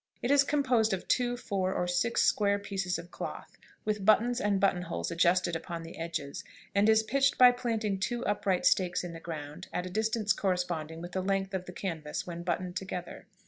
It is composed of two, four, or six square pieces of cloth, with buttons and buttonholes adjusted upon the edges, and is pitched by planting two upright stakes in the ground at a distance corresponding with the length of the canvas when buttoned together.